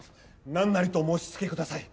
なんなりとお申し付けください。